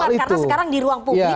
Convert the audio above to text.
karena sekarang di ruang publik